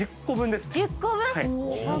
１０個分！